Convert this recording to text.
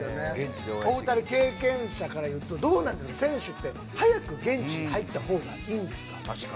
経験者から言うと選手って早く現地に入ったほうがいいんですか？